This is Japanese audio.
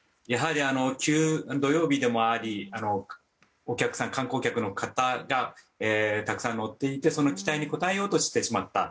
土曜日でもあり観光客の方がたくさん乗っていてその期待に応えようとしてしまった。